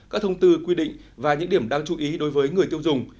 các thông tư quy định và những điểm đáng chú ý đối với người tiêu dùng